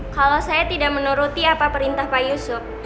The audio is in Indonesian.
kalau saya tidak menuruti apa perintah pak yusuf